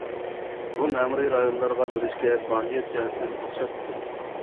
بۇ مەمۇرىي رايونلارغا بۆلۈشكە ماھىيەت جەھەتتىن ئوخشاپ كېتىدۇ.